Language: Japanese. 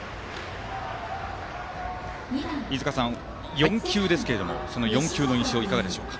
飯塚さん、４球でしたがその４球の印象、いかがでしたか。